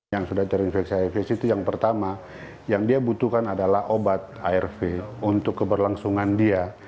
yang sudah terinfeksi hiv itu yang pertama yang dia butuhkan adalah obat arv untuk keberlangsungan dia